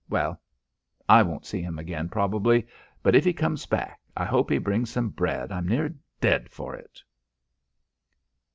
Well.... I won't see him again, probably.... But if he comes back, I hope he brings some bread. I'm near dead for it."